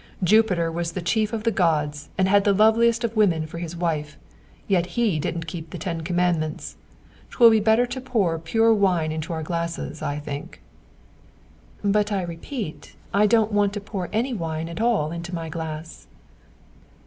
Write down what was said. Jupiter was the chief of the gods, and had the loveliest of women for his wife, yet he didn't keep the ten commandments. 'Twill be better to pour pure wine into our glasses, I think." "But, I repeat, I don't want to pour any wine at all into my glass."